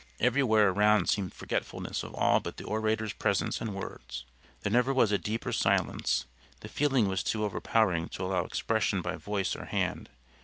Everywhere around seemed forgetfulness of all but the orator's presence and words. There never was a deeper silence; the feeling was too overpowering to allow expression by voice or hand.